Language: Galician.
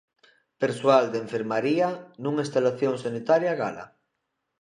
Persoal de enfermaría nunha instalación sanitaria gala.